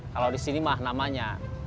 kalau di sini mah namanya